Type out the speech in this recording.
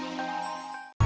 masih suey manggil masalahnya